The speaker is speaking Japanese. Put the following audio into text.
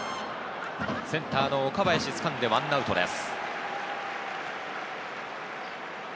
センターの岡林がつかんで１アウトです。